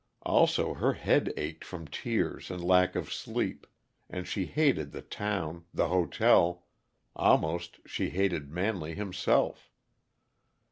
Also, her head ached from tears and lack of sleep, and she hated the town, the hotel almost she hated Manley himself.